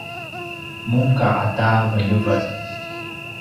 muka ata veljevelj